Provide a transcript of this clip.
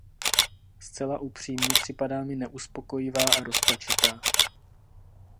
Zcela upřímně, připadá mi neuspokojivá a rozpačitá.